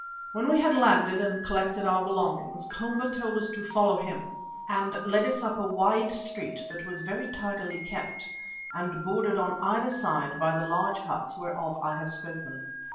When we had landed and collected our belongings, Komba told us to follow him, and led us up a wide street that was very tidily kept and bordered on either side by the large huts whereof I have spoken.